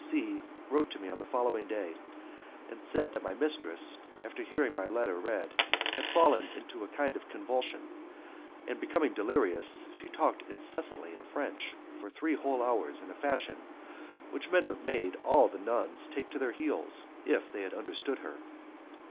C C wrote to me on the following day, and said that my mistress, after hearing my letter read, had fallen into a kind of convulsion, and, becoming delirious, she talked incessantly in French for three whole hours in a fashion which would have made all the nuns take to their heels, if they had understood her.